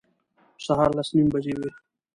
سهار لس نیمې بجې وې.